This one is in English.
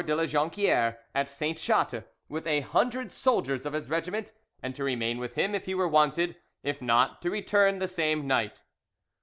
de La Jonquiere at Sainte Chatte with a hundred soldiers of his regiment, and to remain with him if he were wanted; if not, to return the same night.